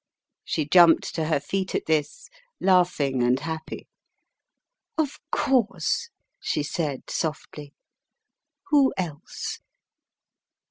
She jumped to her feet at this, laughing and happy. "Of course," she said, softly, "who else?"